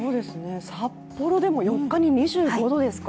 札幌でも４日に２５度ですか。